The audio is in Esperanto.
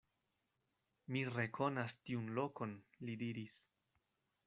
Mi rekonas tiun lokon, li diris.